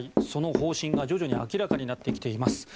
その方針が徐々に明らかになってきています。